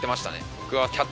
僕は。